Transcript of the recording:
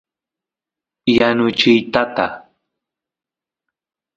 yanuchiy tata